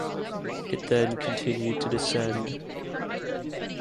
It then continued to descend.